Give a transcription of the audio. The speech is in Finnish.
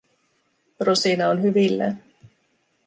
Rosina on hyvillään.